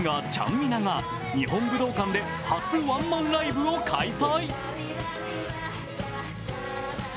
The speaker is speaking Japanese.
みなが日本武道館で初ワンマンライブを開催。